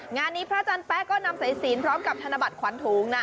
งานนี้พระอาจารย์แป๊ะก็นำสายศีลพร้อมกับธนบัตรขวัญถุงนะ